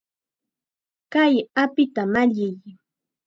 ¡Kay apita malliy!